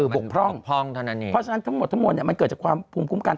บกพร่องเพราะฉะนั้นทั้งหมดมันเกิดจากความภูมิคุ้มกัน